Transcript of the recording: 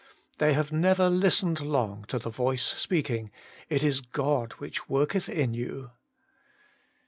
They have never listened long to the voice speak ing, ' It is God which worketh in you.'